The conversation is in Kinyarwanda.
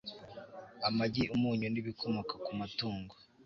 amagi, umunyu n'ibikomoka ku matungo